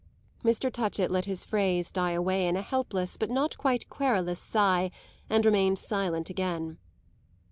Mr. Touchett let his phrase die away in a helpless but not quite querulous sigh and remained silent again.